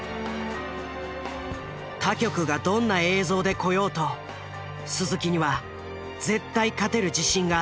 他局がどんな映像で来ようと鈴木には絶対勝てる自信があった。